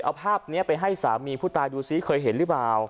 เอาภาพนี้ไปให้สามีผู้ตายดูซิเคยเห็นหรือเปล่า